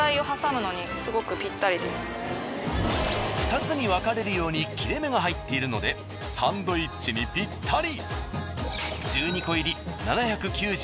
２つに分かれるように切れ目が入っているのでサンドイッチにピッタリ。